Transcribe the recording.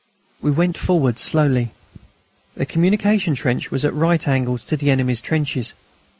We went forward slowly. The communication trench was at right angles to the enemy's trenches.